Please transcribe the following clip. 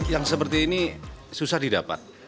yang seperti ini susah didapat